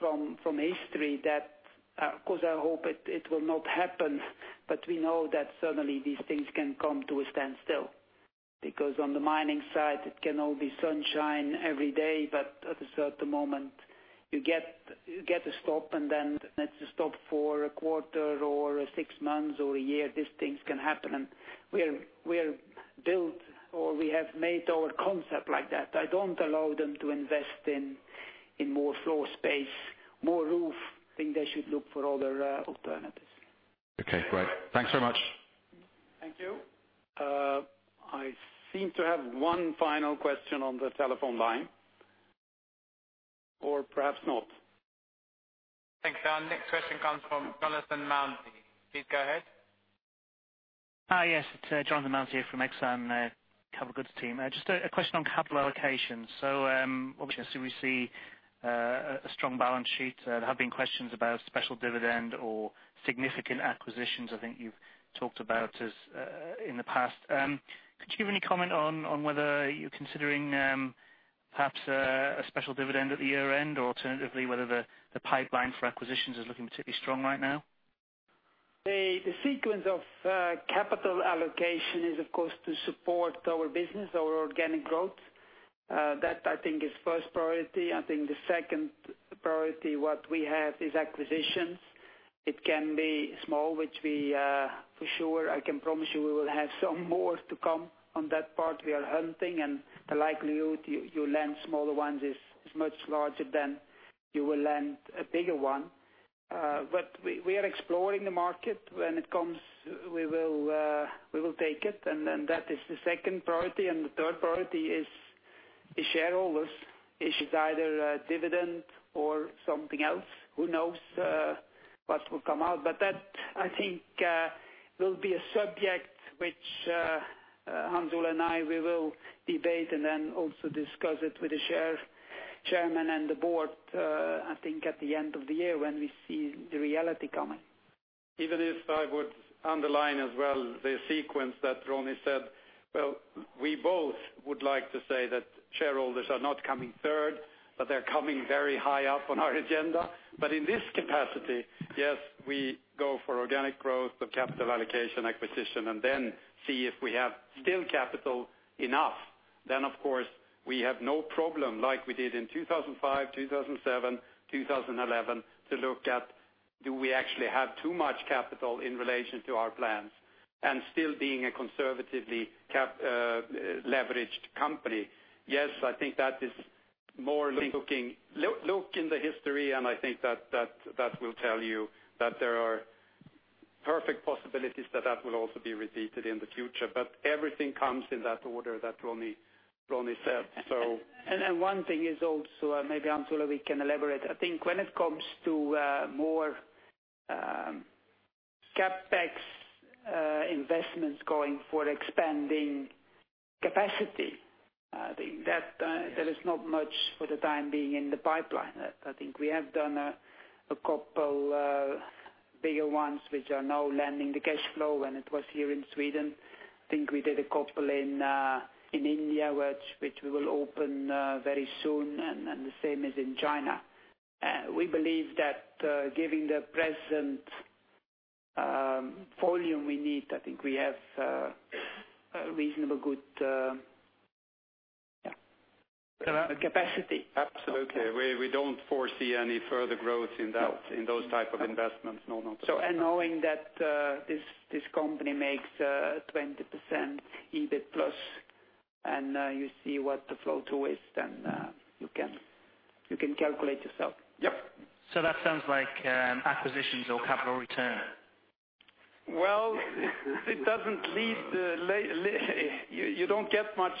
from history that, of course, I hope it will not happen, but we know that suddenly these things can come to a standstill. On the mining side, it can all be sunshine every day, but at a certain moment, you get a stop, and then it's a stop for a quarter or six months or a year. These things can happen, we are built, or we have made our concept like that. I don't allow them to invest in more floor space, more roof. I think they should look for other alternatives. Great. Thanks so much. Thank you. I seem to have one final question on the telephone line. Or perhaps not. Thanks. Our next question comes from Jonathan Mounsey. Please go ahead. Hi, yes. It's Jonathan Mounsey from Exane, capital goods team. Just a question on capital allocation. Obviously, we see a strong balance sheet. There have been questions about a special dividend or significant acquisitions, I think you've talked about in the past. Could you give any comment on whether you're considering perhaps a special dividend at the year-end, or alternatively, whether the pipeline for acquisitions is looking particularly strong right now? The sequence of capital allocation is, of course, to support our business, our organic growth. That I think is first priority. I think the second priority what we have is acquisitions. It can be small, which for sure, I can promise you we will have some more to come on that part. We are hunting, and the likelihood you land smaller ones is much larger than you will land a bigger one. We are exploring the market. When it comes, we will take it, and then that is the second priority. The third priority is shareholders. It's either a dividend or something else. Who knows what will come out? That, I think, will be a subject which Hans Ola and I, we will debate and then also discuss it with the chairman and the board, I think at the end of the year when we see the reality coming. Even if I would underline as well the sequence that Ronnie said, well, we both would like to say that shareholders are not coming third, but they're coming very high up on our agenda. In this capacity, yes, we go for organic growth, but capital allocation, acquisition, and then see if we have still capital enough, then of course, we have no problem, like we did in 2005, 2007, 2011, to look at do we actually have too much capital in relation to our plans and still being a conservatively leveraged company. Yes, I think that is more looking. Look in the history, and I think that will tell you that there are perfect possibilities that will also be repeated in the future. Everything comes in that order that Ronnie said. Then one thing is also, maybe Hans Ola, we can elaborate. I think when it comes to more CapEx investments going for expanding capacity, I think that there is not much for the time being in the pipeline. I think we have done a couple bigger ones, which are now landing the cash flow. When it was here in Sweden, I think we did a couple in India, which we will open very soon, and the same as in China. We believe that given the present volume we need, I think we have a reasonably good capacity. Absolutely. We don't foresee any further growth in those type of investments. No. Knowing that this company makes 20% EBIT plus, you see what the flow too is, you can calculate yourself. Yep. That sounds like acquisitions or capital return. You don't get much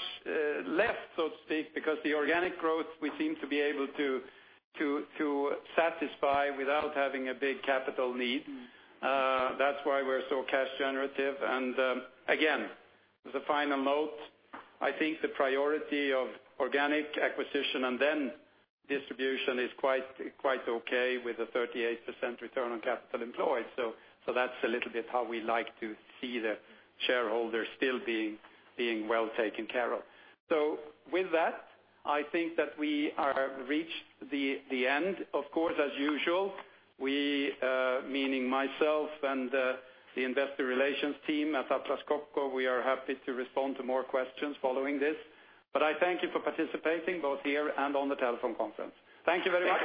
left, so to speak, because the organic growth, we seem to be able to satisfy without having a big capital need. That's why we're so cash generative. Again, as a final note, I think the priority of organic acquisition and then distribution is quite okay with a 38% return on capital employed. With that, I think that we are reached the end. Of course, as usual, we, meaning myself and the investor relations team at Atlas Copco, we are happy to respond to more questions following this. I thank you for participating both here and on the telephone conference. Thank you very much.